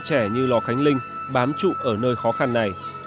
trẻ như lò khánh linh bám trụ ở nơi khó khăn này